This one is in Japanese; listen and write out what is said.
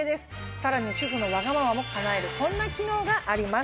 さらに主婦のわがままも叶えるこんな機能があります。